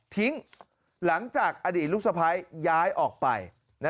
หลังจากอดีตลูกสะพ้ายย้ายออกไป